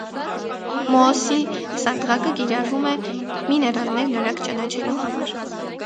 Մոոսի սանդղակը կիրառվում է միներալներն արագ ճանաչելու համար։